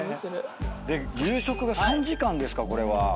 で夕食が３時間ですかこれは。